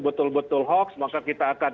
betul betul hoax maka kita akan